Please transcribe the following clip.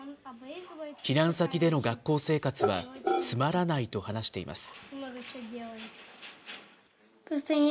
避難先での学校生活は、つまらないと話しています。